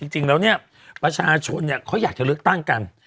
จริงแล้วเนี่ยประชาชนเขาอยากจะเลือกตั้งกัน